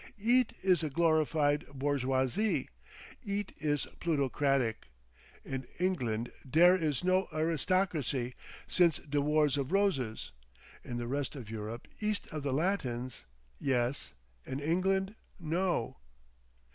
Eet is a glorified bourgeoisie! Eet is plutocratic. In England dere is no aristocracy since de Wars of Roses. In the rest of Europe east of the Latins, yes; in England, no.